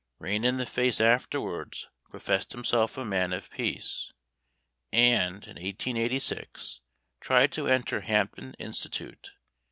Rain in the Face afterwards professed himself a man of peace, and in 1886 tried to enter Hampton Institute.